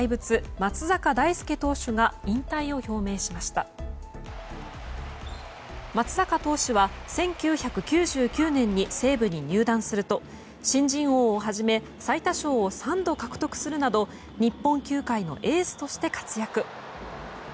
松坂投手は１９９９年に西武に入団すると新人王をはじめ最多勝を３度獲得するなど日本球界のエースとして活躍。